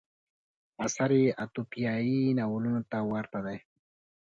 اثر یې اتوپیایي ناولونو ته ورته دی.